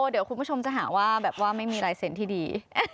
เดี๋ยวคุณผู้ชมจะหาว่าแบบว่าไม่มีลายเซ็นต์ที่ดี